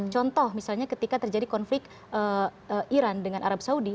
contoh misalnya ketika terjadi konflik iran dengan arab saudi